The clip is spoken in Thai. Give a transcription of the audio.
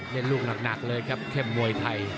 ลูกหนักเลยครับเข้มมวยไทย